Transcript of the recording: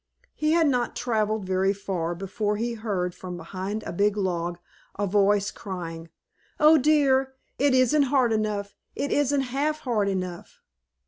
He had not traveled very far before he heard from behind a big log a voice crying: "Oh, dear! It isn't hard enough! It isn't half hard enough!"